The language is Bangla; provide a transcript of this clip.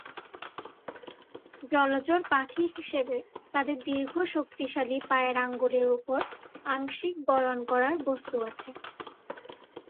জলচর পাখি হিসেবে তাদের দীর্ঘ শক্তিশালী পায়ের আঙ্গুলের উপর আংশিক বয়ন করার বস্তু আছে।